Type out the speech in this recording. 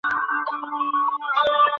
তুই তাকে এসব করতে উস্কানি দিবি না।